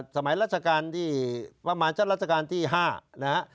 สมัยรัฐกาลที่ประมาณเจ้ารัฐกาลที่๕นะครับ